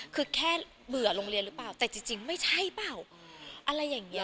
คือแค่เบื่อโรงเรียนหรือเปล่าแต่จริงไม่ใช่เปล่าอะไรอย่างนี้